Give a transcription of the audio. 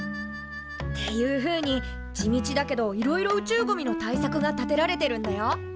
っていうふうに地道だけどいろいろ宇宙ゴミの対策が立てられてるんだよ。